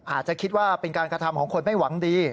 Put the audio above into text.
อาจจะคิดว่าเป็นการกระทำของคนไม่หวังดี